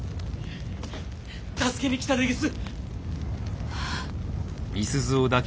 助けに来たでげす！